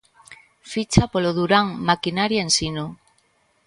Ficha polo Durán Maquinaria Ensino.